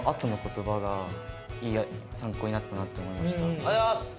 ありがとうございます！